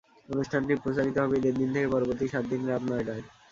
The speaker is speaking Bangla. অনুষ্ঠানটি প্রচারিত হবে ঈদের দিন থেকে পরবর্তী সাত দিন রাত নয়টায়।